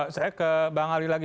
saya ke bang ali lagi